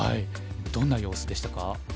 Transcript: どんな様子でしたか？